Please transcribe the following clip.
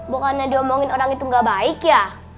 bukan dia omongin orang itu gak baik ya